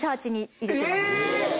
え⁉